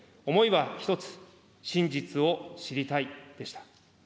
思いは一つ、真実を知りたいでした。